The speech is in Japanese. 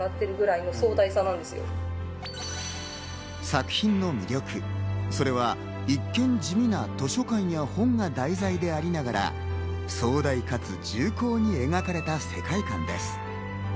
作品の魅力、それは一見地味な図書館や本が題材でありながら、壮大かつ重厚に描かれた世界観です。